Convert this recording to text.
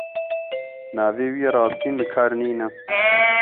Navê wî yê rastîn bi kar nîne.